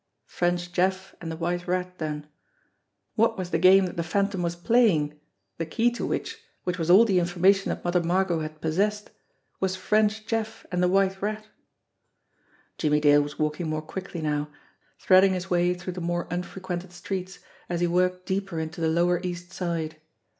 French Jeff and The White Rat, theu ! What was the game that the Phantom was playing, the key to which, which was all the information that Mother Margot had possessed, was French Jeff and The White Rat? Jimmie Dale was walking more quickly now, threading his way through the more unfrequented streets, as he worked deeper into the lower East Side.